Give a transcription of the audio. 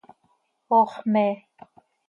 Ox mee.